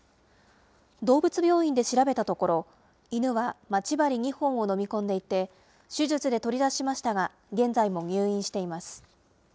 動物病院で調べたところ、犬は待ち針２本を飲み込んでいて、手術で取り出しましたが、現在も入院しています。